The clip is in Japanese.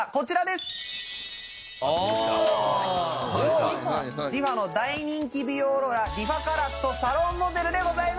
リファの大人気美容ローラーリファカラットサロンモデルでございます！